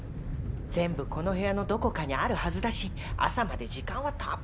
全部この部屋のどこかにあるはずだし朝まで時間はたっぷりあるよ。